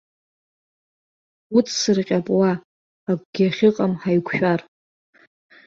Уҵсырҟьап уа, акгьы ахьыҟам, ҳаиқәшәар.